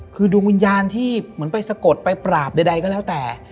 คือดวงวิญญาณที่เหมือนไปสะกดไปปราบใดก็แล้วแต่